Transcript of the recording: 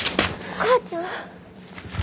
お母ちゃん！